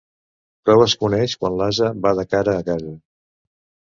Prou es coneix quan l'ase va de cara a casa.